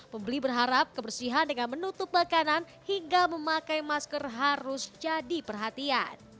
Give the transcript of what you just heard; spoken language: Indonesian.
pembeli berharap kebersihan dengan menutup bakanan hingga memakai masker harus jadi perhatian